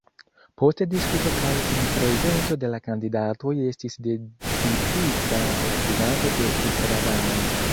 Post diskuto kaj sinprezento de la kandidatoj estis decidita la kvanto de estraranoj.